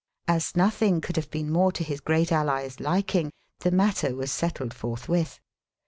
As nothing could have been more to his great ally's liking, the matter was settled forthwith.